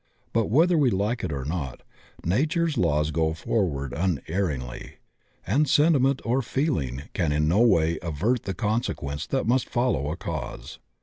But whether we like it or not Nature's laws go forward unerringly, and sentiment or feeling can in no way avert the con sequence that must follow a cause.